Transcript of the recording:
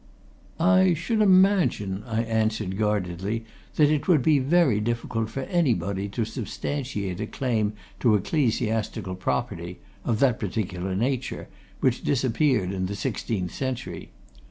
"I should imagine," I answered, guardedly, "that it would be very difficult for anybody to substantiate a claim to ecclesiastical property of that particular nature which disappeared in the sixteenth century.